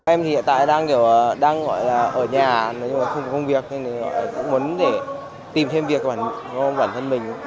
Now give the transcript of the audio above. em hiện tại đang gọi là ở nhà không có công việc muốn tìm thêm việc của bản thân mình